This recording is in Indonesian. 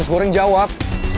usus goreng jawab